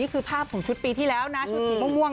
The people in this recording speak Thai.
นี่คือภาพของชุดปีที่แล้วได้ชุดสีม่วง